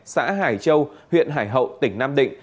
xã hải châu huyện hải hậu tỉnh nam định